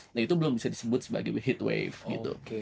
nah itu belum bisa disebut sebagai heatwave gitu